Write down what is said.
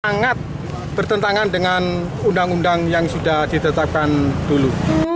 sangat bertentangan dengan undang undang yang sudah ditetapkan dulu